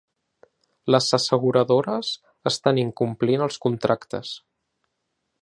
Les asseguradores estan incomplint els contractes.